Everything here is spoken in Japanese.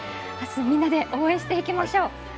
あす、みんなで応援していきましょう。